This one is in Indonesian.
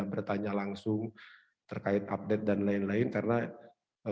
keluarga yang memberi ruang privasi ke mereka